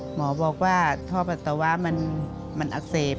หมอบอกว่าท่อปัสสาวะมันอักเสบ